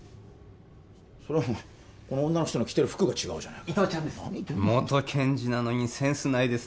それはお前女の人の着てる服が違うじゃないか伊藤ちゃんです